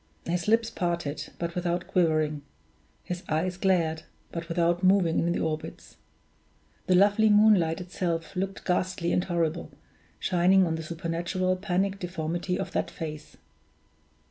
His lips parted, but without quivering; his eyes glared, but without moving in the orbits. The lovely moonlight itself looked ghastly and horrible, shining on the supernatural panic deformity of that face!